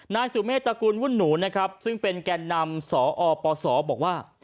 นายสุเมฆตระกูลวุ่นหนูนะครับซึ่งเป็นแก่นำสอปศบอกว่า